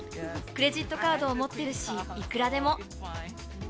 クレジットカードを持ってるし、いくらでも。